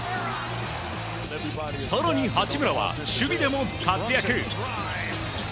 更に八村は守備でも活躍。